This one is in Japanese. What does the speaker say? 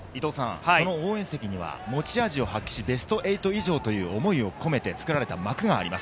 応援席には、持ち味を発揮し、ベスト８以上という思いを込めて作られた幕があります。